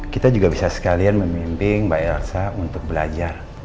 kita juga bisa sekalian memimpin mbak elsa untuk belajar